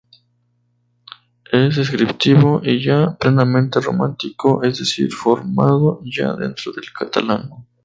Es descriptivo, y ya plenamente románico, es decir, formado ya dentro del catalán.